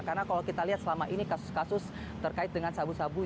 karena kalau kita lihat selama ini kasus kasus terkait dengan sabu sabu